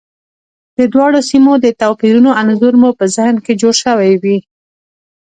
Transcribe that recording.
د دواړو سیمو د توپیرونو انځور مو په ذهن کې جوړ شوی وي.